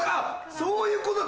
そういうことか！